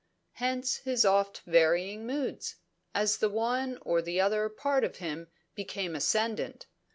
Hence his oft varying moods, as the one or the other part of him became ascendent.